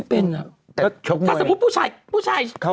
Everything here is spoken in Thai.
เป็นอะไรเหรอ